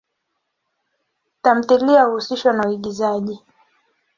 Tamthilia huhusishwa na uigizaji.